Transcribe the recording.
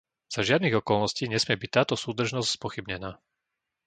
Za žiadnych okolností nesmie byť táto súdržnosť spochybnená.